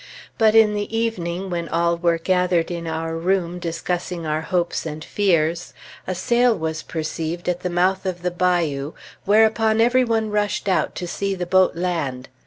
But in the evening, when all were gathered in our room discussing our hopes and fears, a sail was perceived at the mouth of the bayou, whereupon every one rushed out to see the boat land.